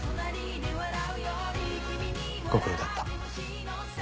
ご苦労だった。